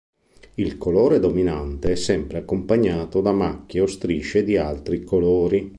Il colore dominante è sempre accompagnato da macchie o strisce di altri colori.